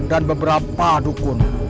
dan beberapa dukun